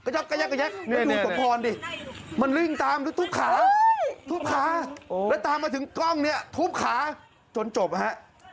จนร่วงลงไปนี่นี่ฮะ